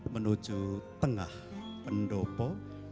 menuju tengah pendopo